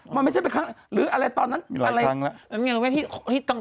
มันไม่ใช่เป็นครั้งหรืออะไรตอนนั้นมีหลายครั้งแล้วมันยังไงวะ